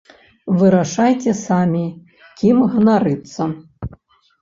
Вырашайце самі, кім ганарыцца.